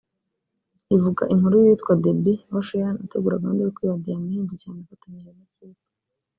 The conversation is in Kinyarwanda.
Ivuga inkuru y’uwitwa Debbie Ocean utegura gahunda yo kwiba diyama ihenze cyane afatanyije n’ikipe